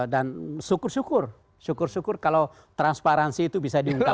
dan syukur syukur syukur syukur kalau transparansi itu bisa diungkapkan